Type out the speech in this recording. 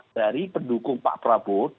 dari pendukung pak prabowo